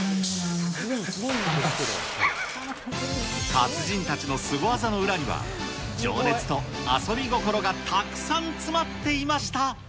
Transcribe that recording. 達人たちのスゴ技の裏には、情熱と遊び心がたくさん詰まっていました。